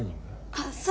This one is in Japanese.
あっそう。